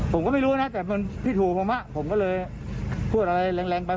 ผมก็ไม่รู้นะแต่มันไม่ถูกผมผมก็เลยพูดอะไรแรงไป